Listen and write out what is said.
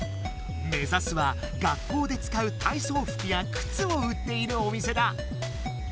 めざすは学校でつかう体そう服やくつを売っているお店だ。